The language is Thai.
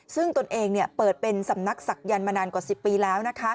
ซึ่งตนเองเปิดเป็นสำนักศักยันต์มานานกว่า๑๐ปีแล้วนะคะ